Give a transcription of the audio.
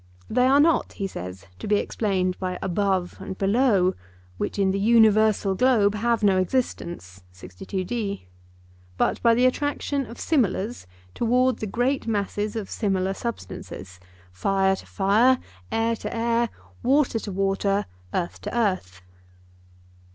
They are not, he says, to be explained by 'above' and 'below,' which in the universal globe have no existence, but by the attraction of similars towards the great masses of similar substances; fire to fire, air to air, water to water, earth to earth.